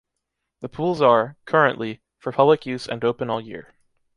The pools are, currently, for public use and open all year.